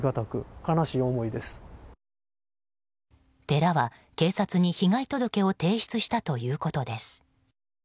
寺は警察に被害届を提出したということです。